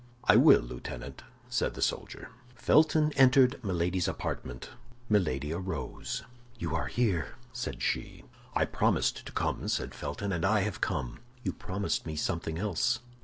"I will, Lieutenant," said the soldier. Felton entered Milady's apartment. Milady arose. "You are here!" said she. "I promised to come," said Felton, "and I have come." "You promised me something else."